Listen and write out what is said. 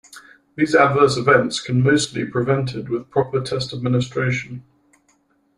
These adverse events can mostly prevented with proper test administration.